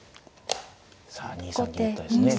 さあ２三銀とですね。